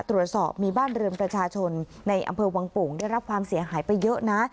ตรวจสอบมีบ้านเรือนประชาชนในอำเภอวังโป่งได้รับความเสียหายไปเยอะนะ